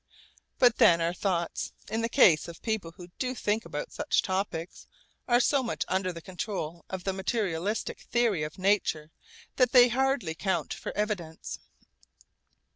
But then our thoughts in the case of people who do think about such topics are so much under the control of the materialistic theory of nature that they hardly count for evidence.